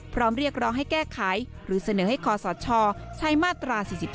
เรียกร้องให้แก้ไขหรือเสนอให้คอสชใช้มาตรา๔๔